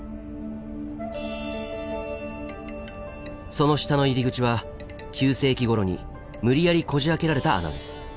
その下の入り口は９世紀ごろに無理やりこじあけられた穴です。